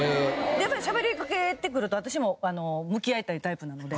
やっぱりしゃべりかけてくると私も向き合いたいタイプなので。